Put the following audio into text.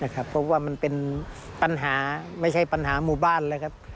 เพราะว่ามันเป็นปัญหาไม่ใช่ปัญหาหมู่บ้านแล้วครับ